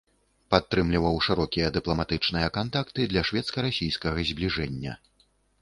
Падтрымліваў шырокія дыпламатычныя кантакты для шведска-расійскага збліжэння.